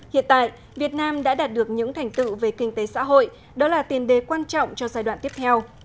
hiện tại việt nam đã đạt được những thành tựu về kinh tế xã hội đó là tiền đề quan trọng cho giai đoạn tiếp theo